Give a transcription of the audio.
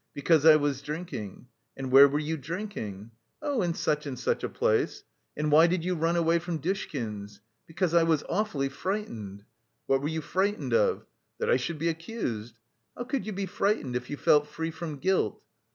'Because I was drinking.' 'And where were you drinking?' 'Oh, in such and such a place.' 'Why did you run away from Dushkin's?' 'Because I was awfully frightened.' 'What were you frightened of?' 'That I should be accused.' 'How could you be frightened, if you felt free from guilt?